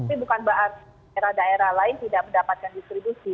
ini bukan bahan daerah daerah lain tidak mendapatkan distribusi